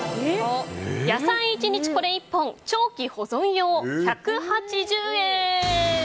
野菜一日これ一本長期保存用１８０円。